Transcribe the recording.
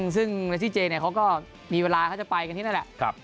ซึ่งเมซี่เจเขาก็มีเวลาเขาจะไปกันที่นั่นแหละ